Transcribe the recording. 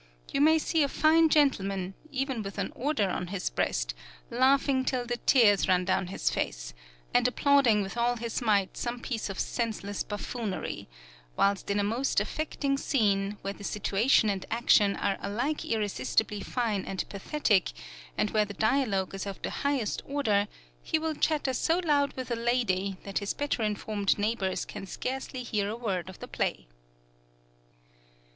You may see a fine gentleman, even with an order on his breast, laughing till the tears run down his face, and applauding with all his might some piece of senseless buffoonery; whilst in a most affecting scene, where the situation and action are alike irresistibly fine and pathetic, and where the dialogue is of the highest order, he will chatter so loud with a lady that his better informed neighbours can scarcely hear a word of the play.